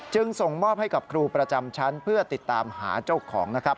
จึงส่งมอบให้กับครูประจำชั้นเพื่อติดตามหาเจ้าของนะครับ